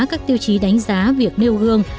các tiêu chí đánh giá việc nêu gương